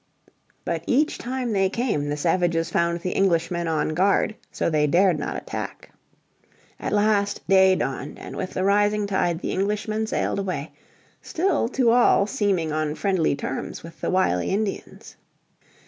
But each time they came the savages found the Englishmen on guard, so they dared not attack. At last day dawned, and with the rising tide the Englishmen sailed away, still to all seeming on friendly terms with the wily Indians.